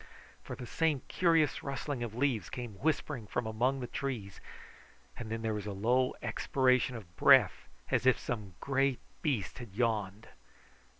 For the same curious rustling of leaves came whispering from among the trees, and then there was a low expiration of breath, as if some great beast had yawned.